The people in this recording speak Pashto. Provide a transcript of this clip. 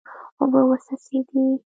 اوبه وڅڅېدې.